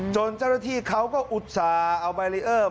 จนเจ้าหน้าที่เขาก็อุชต์อ่าเอาเมื่องอัฐักษ์